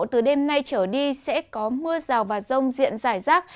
từ đêm nay trở đi sẽ có mưa rào và rông diện rải rác